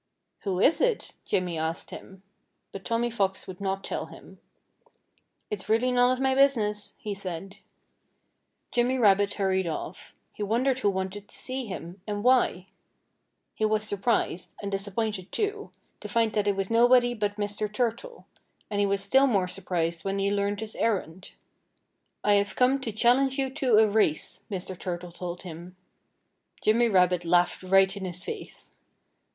"Who is it?" Jimmy asked him. But Tommy Fox would not tell him. "It's really none of my business," he said. Jimmy Rabbit hurried off. He wondered who wanted to see him, and why. He was surprised and disappointed, too to find that it was nobody but Mr. Turtle. And he was still more surprised when he learned his errand. "I have come to challenge you to a race," Mr. Turtle told him. Jimmy Rabbit laughed right in his face.